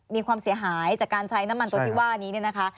มีความเสียหายจากการใช้น้ำมันตัวที่ว่านี้เนี่ยนะคะ